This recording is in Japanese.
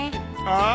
ああ！